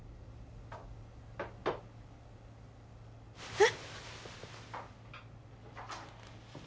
えっ！？